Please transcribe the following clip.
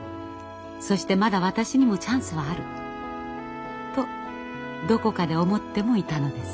そしてまだ私にもチャンスはあるとどこかで思ってもいたのです。